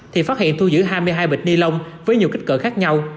thì phát hiện thu giữ hai mươi hai bịch ni lông với nhiều kích cỡ khác nhau